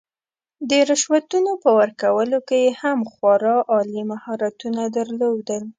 د رشوتونو په ورکولو کې یې هم خورا عالي مهارتونه درلودل.